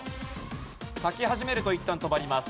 書き始めるといったん止まります。